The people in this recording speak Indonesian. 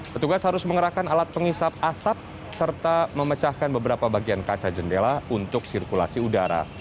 petugas harus mengerahkan alat pengisap asap serta memecahkan beberapa bagian kaca jendela untuk sirkulasi udara